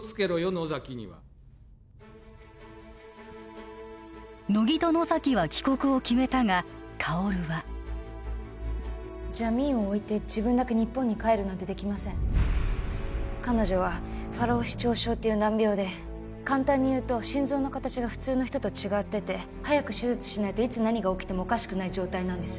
野崎には乃木と野崎は帰国を決めたが薫はジャミーンを置いて自分だけ日本に帰るなんてできません彼女はファロー四徴症っていう難病で簡単にいうと心臓の形が普通の人と違ってて早く手術しないといつ何が起きてもおかしくない状態なんです